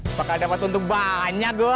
apakah dapat untuk banyak gua